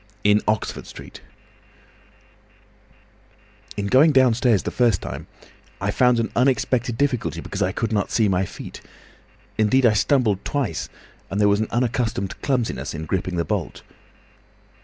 IN OXFORD STREET "In going downstairs the first time I found an unexpected difficulty because I could not see my feet; indeed I stumbled twice, and there was an unaccustomed clumsiness in gripping the bolt.